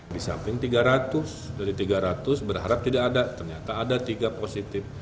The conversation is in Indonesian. di samping tiga ratus dari tiga ratus berharap tidak ada ternyata ada tiga positif